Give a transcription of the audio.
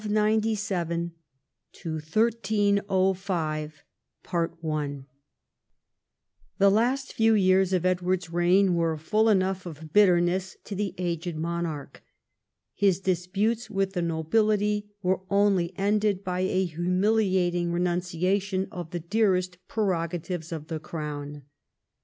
CHAPTER XII THE CONQUEST OF SCOTLAND 1297 1305 The last few years of Edward's reign were full enough of bitterness to the aged monarch. His disputes with the nobility were only ended by a humiliating renuncia tion of the dearest prerogatives of the Crown.